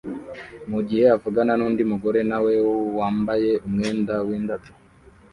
mugihe avugana nundi mugore nawe wambaye umwenda w indabyo